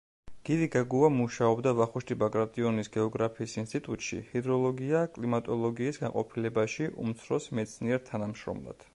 გივი გაგუა მუშაობდა ვახუშტი ბაგრატიონის გეოგრაფიის ინსტიტუტში, ჰიდროლოგია-კლიმატოლოგიის განყოფილებაში, უმცროს მეცნიერ-თანამშრომლად.